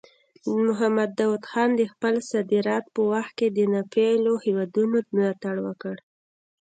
محمد داود خان د خپل صدارت په وخت کې د ناپېیلو هیوادونو ملاتړ وکړ.